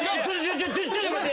ちょっちょっちょっと待って。